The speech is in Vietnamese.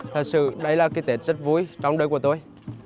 thật sự đây là cái tết rất vui trong đời của tôi